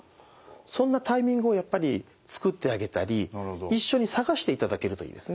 そんなタイミングをやっぱり作ってあげたり一緒に探していただけるといいですね。